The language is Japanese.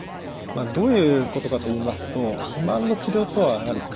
どういうことかといいますと肥満の治療とはやはり異なります。